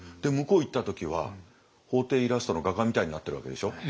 向こう行った時は法廷イラストの画家みたいになってるわけでしょ？